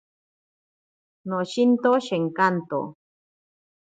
Noshinto shenkanto.